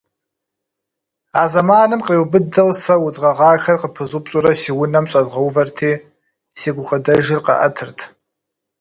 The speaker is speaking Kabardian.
А зэманым къриубыдэу сэ удз гъэгъахэр къыпызупщӀурэ си унэм щӀэзгъэувэрти, си гукъыдэжыр къаӀэтырт.